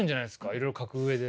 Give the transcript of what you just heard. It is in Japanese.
いろいろ描く上で。